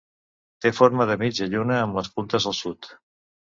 Té forma de mitja lluna amb les puntes al sud.